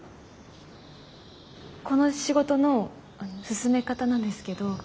この仕事の進め方なんですけど。